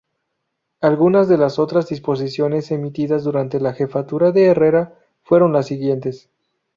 Algunas de las otras disposiciones emitidas durante la Jefatura de Herrera fueron las siguientes.